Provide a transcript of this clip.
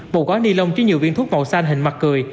một quán ni lông chứa nhiều viên thuốc màu xanh hình mặt cười